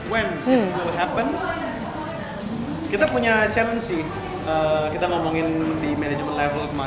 when it will happen kita punya challenge sih kita ngomongin di management level kemarin